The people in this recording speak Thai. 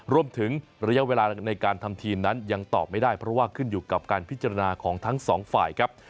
รวมถึงระยะเวลาในการทำทีมนั้นยังตอบไม่ได้เพราะว่าขึ้นอยู่กับการพิจารณาของทั้งสองฝ่ายครับ